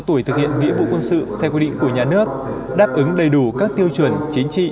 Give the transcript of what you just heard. tuổi thực hiện nghĩa vụ quân sự theo quy định của nhà nước đáp ứng đầy đủ các tiêu chuẩn chính trị